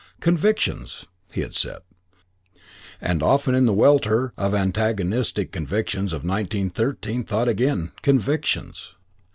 "Convictions," he had said, and often in the welter of antagonistic convictions of 1913 thought again, "Convictions.